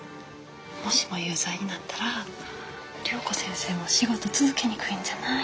もしも有罪になったら良子先生も仕事続けにくいんじゃない？